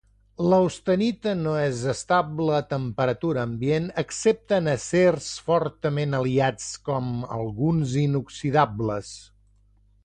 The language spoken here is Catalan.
L'austenita no és estable a temperatura ambient excepte en acers fortament aliats com alguns inoxidables.